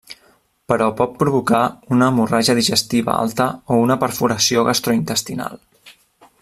Però pot provocar una hemorràgia digestiva alta o una perforació gastrointestinal.